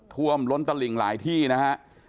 ท่วมล้นตะหลิงหลายที่นะฮะ